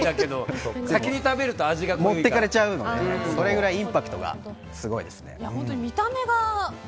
持っていかれちゃうのでそれぐらいインパクトがすごいですね。